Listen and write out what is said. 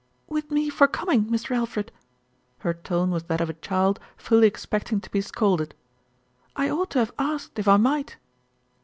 "With me for coming, Mr. Alfred." Her tone was that of a child fully expecting to be scolded. "I ought to have asked if I might."